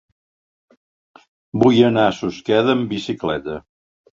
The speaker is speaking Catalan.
Vull anar a Susqueda amb bicicleta.